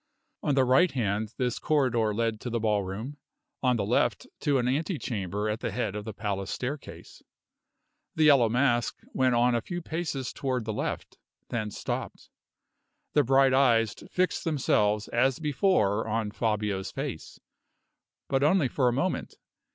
On the right hand this corridor led to the ballroom; on the left to an ante chamber at the head of the palace staircase. The Yellow Mask went on a few paces toward the left, then stopped. The bright eyes fixed themselves as before on Fabio's face, but only for a moment.